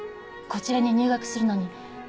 こちらに入学するのに。